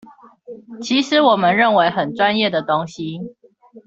其實我們認為很專業的東西